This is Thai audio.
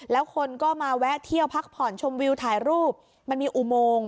แล้วคนก็มาแวะเที่ยวพักผ่อนชมวิวถ่ายรูปมันมีอุโมง